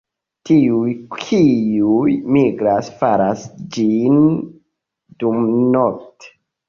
Tiuj kiuj migras faras ĝin dumnokte.